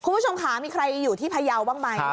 คุณผู้ชมค่ะมีใครอยู่ที่พยาวบ้างไหม